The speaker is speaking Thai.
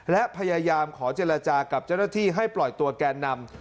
และพยายามขอเจรจากับเจ้าหน้าที่ให้ปล่อยตัวแกนนำ